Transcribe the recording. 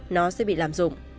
nó sẽ bị lạm dụng